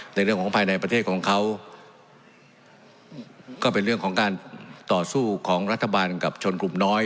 ในเรื่องของภายในประเทศของเขาก็เป็นเรื่องของการต่อสู้ของรัฐบาลกับชนกลุ่มน้อย